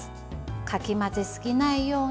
かき混ぜすぎないように。